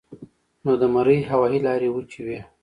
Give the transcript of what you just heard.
نو د مرۍ هوائي لارې وچې وي